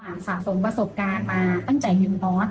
มันสะสมประสบการณ์มาตั้งแต่๑น็อต